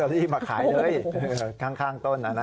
ลอตเตอรี่มาขายเลยข้างต้น